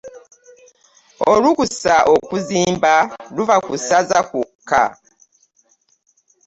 Olukusa okuzimba luva ku ssaza kwokka.